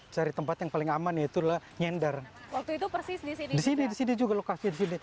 cari tempat yang paling aman yaitu lah nyender waktu itu persis disini disini juga lokasi disini